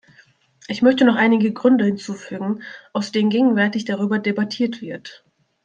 Ich möchte noch einige Gründe hinzufügen, aus denen gegenwärtig darüber debattiert wird.